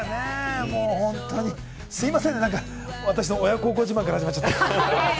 すみませんね、私の親孝行自慢から始まっちゃって。